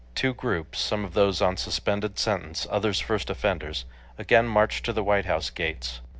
Two groups, some of those on suspended sentence, others first offenders, again marched to the White House gates.